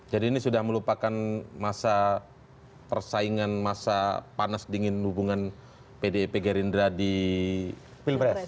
jadi ini sudah melupakan masa persaingan masa panas dingin hubungan pdip gerindra di pilpres